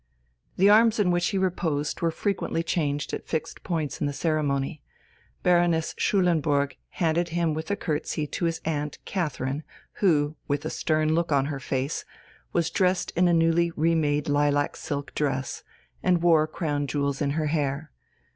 The arms in which he reposed were frequently changed at fixed points in the ceremony. Baroness Schulenburg handed him with a curtsey to his aunt, Catherine, who, with a stern look on her face, was dressed in a newly remade lilac silk dress, and wore Crown jewels in her hair.